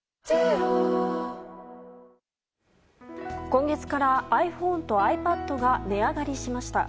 今月からｉＰｈｏｎｅとｉＰａｄが値上がりしました。